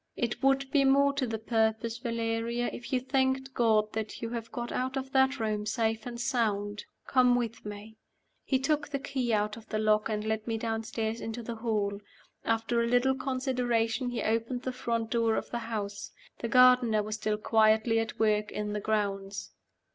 "It would be more to the purpose, Valeria, if you thanked God that you have got out of that room safe and sound. Come with me." He took the key out of the lock, and led me downstairs into the hall. After a little consideration, he opened the front door of the house. The gardener was still quietly at work in the grounds.